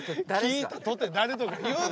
「聞いたとて誰」とか言うな！